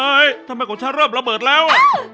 ทำไมของฉันเริ่มระเบิดแล้ว